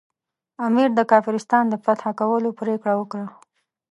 امیر د کافرستان د فتح کولو پرېکړه وکړه.